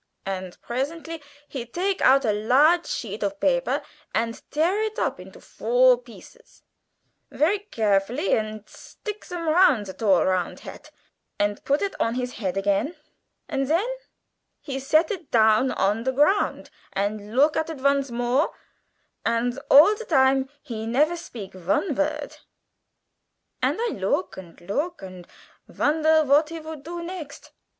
And bresently he take out a large sheet of baper and tear it in four pieces very garefully, and stick zem round de tall round hat, and put it on his head again, and zen he set it down on de grount and look at it vonce more, and all de time he never speak von vort. And I look and look and vonder vat he would do next.